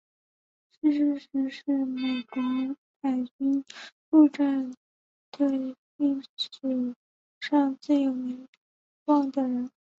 逝世时是美国海军陆战队历史上最有名望的人。